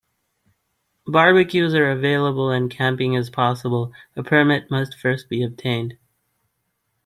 Barbecues are available and camping is possible - a permit must first be obtained.